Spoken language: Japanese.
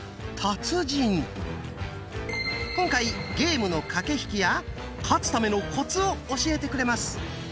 今回ゲームの駆け引きや勝つためのコツを教えてくれます。